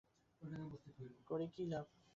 করে কী লাভ?